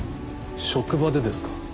職場でですか？